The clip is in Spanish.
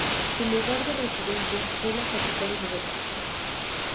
Su lugar de residencia fue la capital Bogotá.